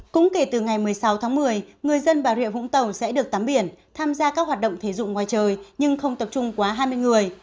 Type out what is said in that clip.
cũng kể từ ngày một mươi sáu tháng một mươi người dân bà rịa vũng tàu sẽ được tắm biển tham gia các hoạt động thể dụng ngoài trời nhưng không tập trung quá hai mươi người